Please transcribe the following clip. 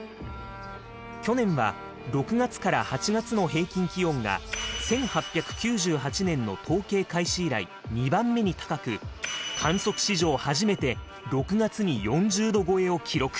去年は６月から８月の平均気温が１８９８年の統計開始以来２番目に高く観測史上初めて６月に４０℃超えを記録。